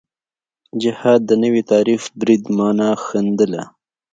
جهاد نوی تعریف برید معنا ښندله